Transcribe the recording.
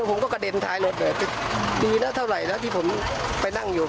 ผมก็กระเด็นท้ายรถเลยดีนะเท่าไหร่นะที่ผมไปนั่งอยู่